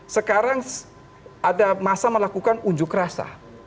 sekarang ada masa melakukan unjuk rasa